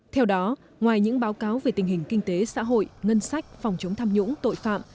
theo đó ngoài những báo cáo về tình hình kinh tế xã hội ngân sách phòng chống tham nhũng tội phạm